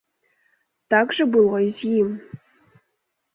Так жа было і з ім.